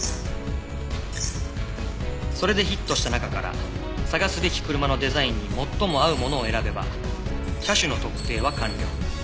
それでヒットした中から探すべき車のデザインに最も合うものを選べば車種の特定は完了。